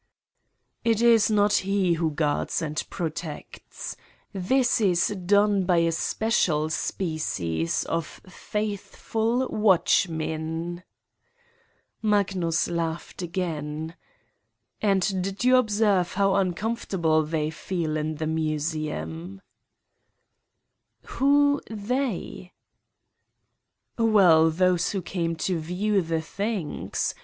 '' "It is not he who guards and protects. This is done by a special species of faithful watchmen" Magnus laughed again: "and did you observe how uncomfortable they feel in the museum V 9 "Who they 1" "Well, those who came to view the things!